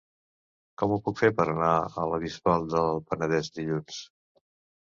Com ho puc fer per anar a la Bisbal del Penedès dilluns?